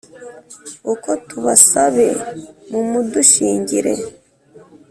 uko tubasabe mumudushingire